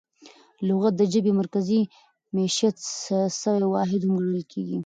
لغت د ژبي مرکزي مېشت سوی واحد هم ګڼل کیږي.